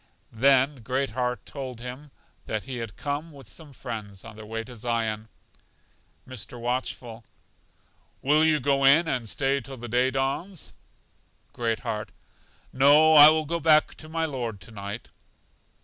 Then Great heart told him that he had come with some friends on their way to Zion. Mr. Watchful: Will you go in and stay till the day dawns? Great heart: No, I will go back to my Lord to night.